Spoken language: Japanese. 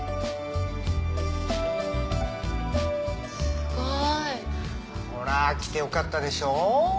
すごい。ほら来てよかったでしょ？